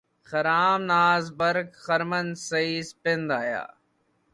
خرام ناز برق خرمن سعی سپند آیا